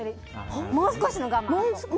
もう少しの我慢。